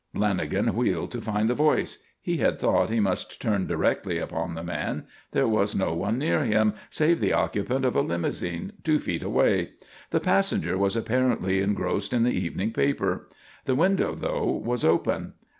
Lanagan wheeled to find the voice. He had thought he must turn directly upon the man. There was no one near him save the occupant of a limousine, two feet away. The passenger was apparently engrossed in the evening paper. The window, though, was open.